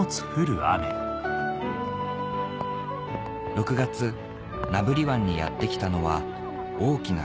６月名振湾にやって来たのは大きなカツオ漁船